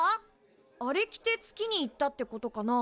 あれ着て月に行ったってことかな？